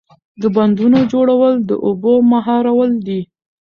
د بندونو جوړول د اوبو مهارول دي.